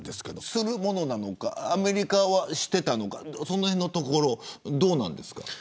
するものなのかアメリカはしていたのかそのへんのところどうですか。